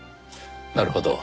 なるほど。